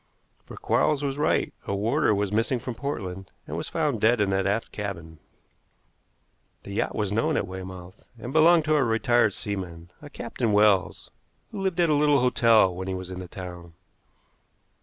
For Quarles was right, a warder was missing from Portland, and was found dead in that aft cabin. The yacht was known at Weymouth, and belonged to a retired seaman, a Captain Wells, who lived at a little hotel when he was in the town.